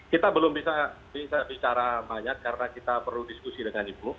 kita belum bisa bicara banyak karena kita perlu diskusi dengan ibu